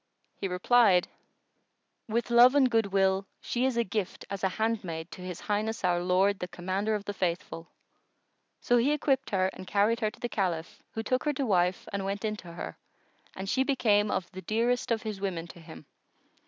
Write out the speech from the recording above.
He replied, "With love and goodwill, she is a gift as a handmaid to His Highness our Lord the Commander of the Faithful." So he equipped her and carried her to the Caliph, who took her to wife and went in to her, and she became of the dearest of his women to him.